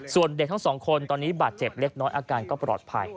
ส่วนเด็กทั้งสองคนตอนนี้บาดเจ็บเล็กน้อยอาการก็ปลอดภัย